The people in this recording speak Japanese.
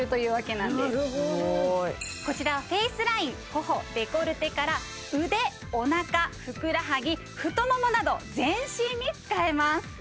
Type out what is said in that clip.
なるほどすごいこちらフェイスライン頬デコルテから腕おなかふくらはぎ太ももなど全身に使えます